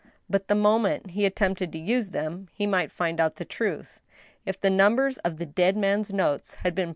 But the moment he attempted to use them he might find out the truth. If the numbers of the dead man's notes had been